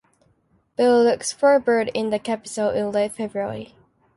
Bill looks for birds in the capital in late February.